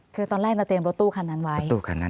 คือตอนแรกเราเตรียมรถตู้คันนั้นไว้